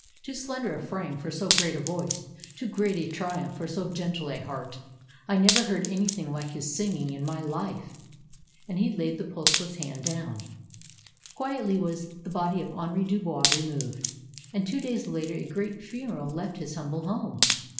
^^Too slender a frame for so great a voice; too great a triumph for so gentle a heart. I never heard anything like his singing in my life." And he laid the pulseless hand down. Quietly was the body of Henri Dubois removed. And two days later a great funeral left his humble home.